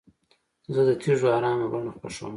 زه د تیږو ارامه بڼه خوښوم.